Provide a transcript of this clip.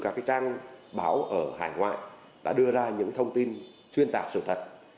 các trang báo ở hải ngoại đã đưa ra những thông tin xuyên tạc sự thật